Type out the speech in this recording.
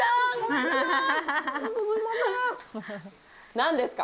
何ですか？